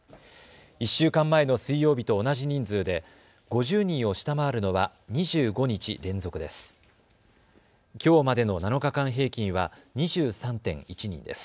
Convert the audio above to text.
１週間前の水曜日と同じ人数で５０人を下回るのは２５日連続です。